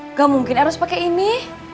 nggak mungkin eros pake ini